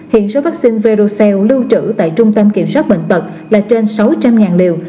hiện số vaccine verocel lưu trữ tại trung tâm kiểm soát bệnh tật là trên sáu trăm linh liều